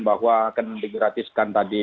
bahwa akan digratiskan tadi